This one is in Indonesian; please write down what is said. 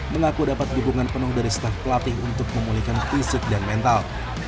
mengaku dapat dukungan penuh dari staff pelatih untuk memulihkan fisik dan mental